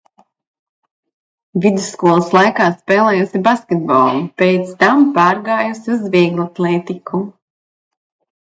Vidusskolas laikā spēlējusi basketbolu, pēc tam pārgājusi uz vieglatlētiku.